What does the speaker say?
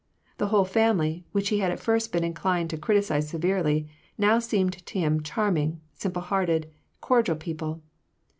The whole family, which he had at first been inclined to criti cise severely, now seemed to him charming, simple hearted, and cordial people.